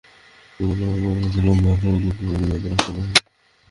সেদিন থেকেই পারস্পরিক লেন-দেন লিপিবন্ধ করে রাখার এবং সাক্ষী রাখার আদেশ জারি হয়।